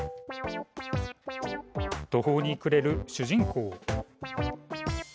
途方にくれる主人公。